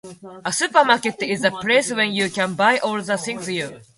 A supermarket is the place when you can buy all the things you